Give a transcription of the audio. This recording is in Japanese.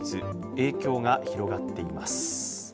影響が広がっています。